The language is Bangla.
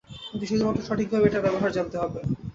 কিন্তু শুধুমাত্র সঠিকভাবে এটার ব্যবহার জানতে হবে।